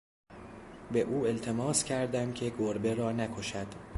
به او التماس کردم که گربه را نکشد.